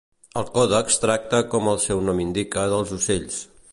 El còdex tracta, com el seu nom indica, dels ocells.